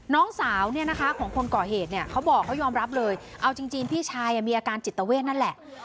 น้องสาวเนี่ยนะคะของคนก่อเหตุเนี่ยเขาบอกเขายอมรับเลยเอาจริงพี่ชายมีอาการจิตเวทนั่นแหละ